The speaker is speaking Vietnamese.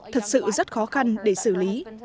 thật sự rất khó khăn để xử lý